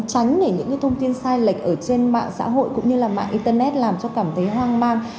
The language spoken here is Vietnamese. tránh để những thông tin sai lệch ở trên mạng xã hội cũng như là mạng internet làm cho cảm thấy hoang mang